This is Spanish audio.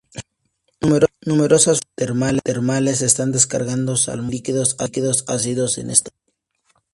Numerosas fuentes termales están descargando salmuera y líquidos ácidos en esta zona.